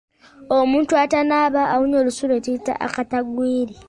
Omuntu atanaaba aba awunya olusu lwe tuyita akagwigiri..